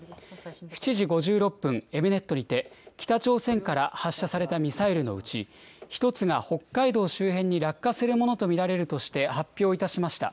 ７時５６分、エムネットにて、北朝鮮から発射されたミサイルのうち、１つが北海道周辺に落下するものと見られるとして、発表いたしました。